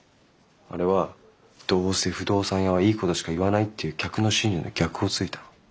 あれは「どうせ不動産屋はいいことしか言わない」っていう客の心理の逆をついたの。